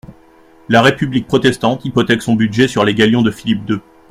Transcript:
La république protestante hypothèque son budget sur les galions de Philippe deux.